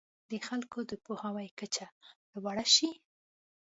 د خلکو د پوهاوي کچه لوړه شي.